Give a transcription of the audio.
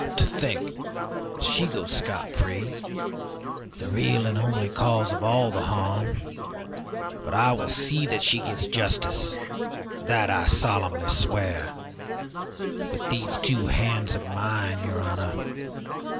To think that she goes scot free, the real and only cause of all the harm! But I will see that she gets justice, that I solemnly swear with these two hands of mine, your honor!